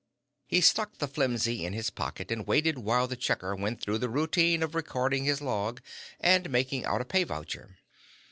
He stuck the flimsy in his pocket, and waited while the checker went through the routine of recording his log and making out a pay voucher.